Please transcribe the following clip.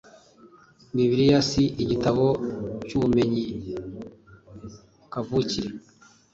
Bibiliya si igitabo cy’ubumenyi kavukire :